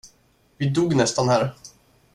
Vi dog nästan här!